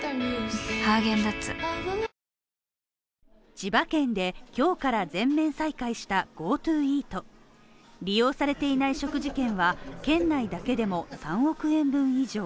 千葉県で今日から全面再開したＧｏＴｏイート利用されていない食事券は県内だけでも３億円分以上